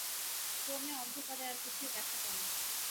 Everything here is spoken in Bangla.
ক্রমে অন্ধকারে আর কিছুই দেখা যায় না।